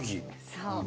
そう。